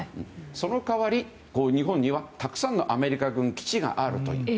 その代わり、日本にはたくさんのアメリカ軍基地があるという。